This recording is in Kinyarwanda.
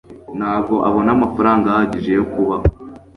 ntabwo abona amafaranga ahagije yo kubaho